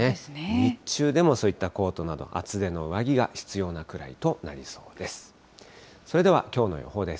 日中でもそういったコートなど、厚手の上着が必要なくらいとなりそうです。